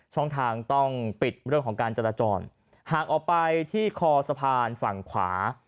ช่องทางต้องปิดเรื่องของการจราจรห่างออกไปที่คอสะพานฝั่งขวา